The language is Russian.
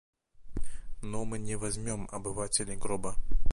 Но мы не зовем обывателей гроба.